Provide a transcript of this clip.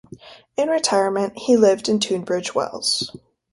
In retirement he lived in Tunbridge Wells.